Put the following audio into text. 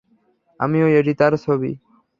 আমিও এটি তার ছবি।